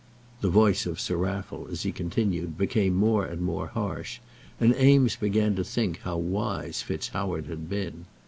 The voice of Sir Raffle, as he continued, became more and more harsh, and Eames began to think how wise FitzHoward had been.